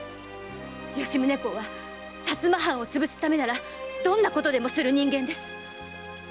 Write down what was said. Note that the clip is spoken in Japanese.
吉宗公は薩摩藩を潰すためならどんなことでもする人間です！